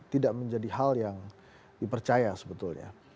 tidak menjadi hal yang dipercaya sebetulnya